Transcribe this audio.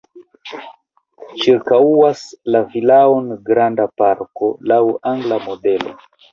Ĉirkaŭas la vilaon granda parko laŭ angla modelo.